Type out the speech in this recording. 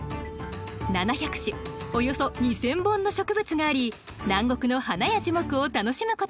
７００種およそ２，０００本の植物があり南国の花や樹木を楽しむことができます